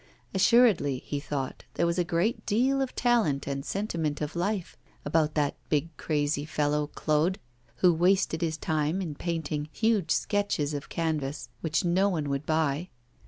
Assuredly, he thought, there was a great deal of talent and sentiment of life about that big crazy fellow Claude, who wasted his time in painting huge stretches of canvas which no one would buy.